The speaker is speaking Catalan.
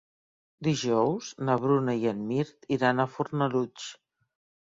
Dijous na Bruna i en Mirt iran a Fornalutx.